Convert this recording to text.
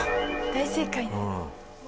大正解。